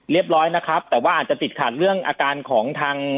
เรียบร้อยนะครับแต่ว่าอาจจะติดขัดเรื่องอาการของทาง